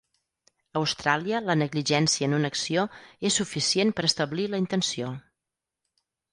A Austràlia, la negligència en una acció és suficient per establir la intenció.